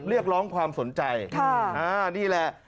เรียกร้องความสนใจนี่แหละ